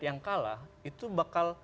yang kalah itu bakal